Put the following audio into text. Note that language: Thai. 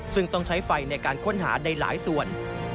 ซึ่งต้องใช้ไฟในการค้นหาในหลายส่วน